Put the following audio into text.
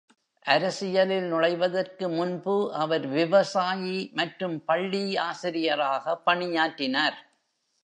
அரசியலில் நுழைவதற்கு முன்பு அவர் விவசாயி மற்றும் பள்ளி ஆசிரியராக பணியாற்றினார்.